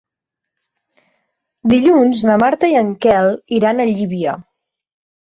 Dilluns na Marta i en Quel iran a Llívia.